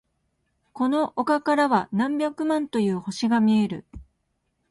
この丘からは何百万という星が見える。